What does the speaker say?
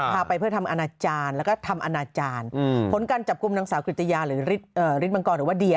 พาไปเพื่อทำอนาจารย์แล้วก็ทำอนาจารย์ผลการจับกลุ่มนางสาวกริตยาหรือฤทธมังกรหรือว่าเดีย